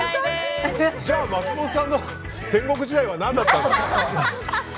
じゃあ松本さんの戦国時代は何だったんですか？